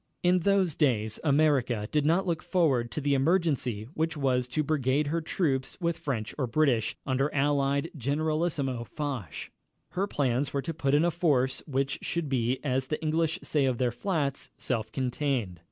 In those days America did not look forward to the emergency which was to brigade her troops with French or British, under Allied Generalissimo Foch. Her plans were to put in a force which should be, as the English say of their flats, "self contained."